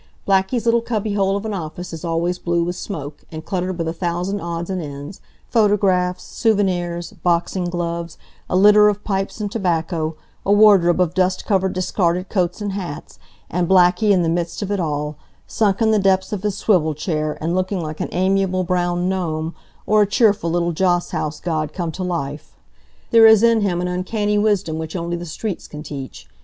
Blackie's little cubby hole of an office is always blue with smoke, and cluttered with a thousand odds and ends photographs, souvenirs, boxing gloves, a litter of pipes and tobacco, a wardrobe of dust covered discarded coats and hats, and Blackie in the midst of it all, sunk in the depths of his swivel chair, and looking like an amiable brown gnome, or a cheerful little joss house god come to life. There is in him an uncanny wisdom which only the streets can teach.